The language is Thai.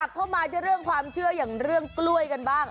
เข้ามาที่เรื่องความเชื่ออย่างเรื่องกล้วยกันบ้าง